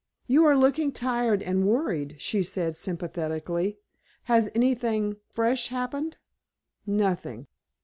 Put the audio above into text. "You are looking tired and worried," she said, sympathetically. "Has anything fresh happened?" "Nothing."